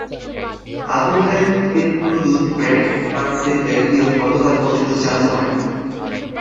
আবুল খায়ের গ্রুপের গুঁড়ো দুধ ব্র্যান্ড মার্কসের প্যাভিলিয়ন গতকাল পর্যন্ত চালু হয়নি।